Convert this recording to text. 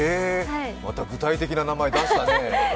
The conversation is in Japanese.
また具体的な名前出したね。